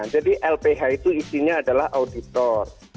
jadi lph itu isinya adalah auditor